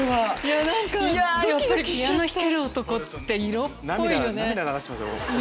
やっぱりピアノ弾ける男って色っぽいよね。